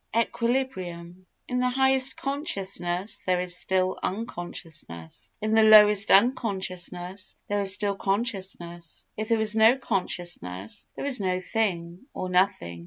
Equilibrium In the highest consciousness there is still unconsciousness, in the lowest unconsciousness there is still consciousness. If there is no consciousness there is no thing, or nothing.